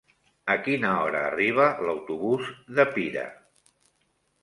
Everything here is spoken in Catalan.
A quina hora arriba l'autobús de Pira?